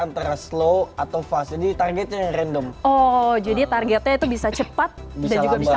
antara slow atau fast jadi targetnya yang random oh jadi targetnya itu bisa cepat bisa juga bisa